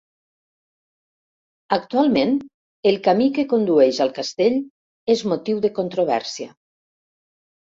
Actualment, el camí que condueix al castell és motiu de controvèrsia.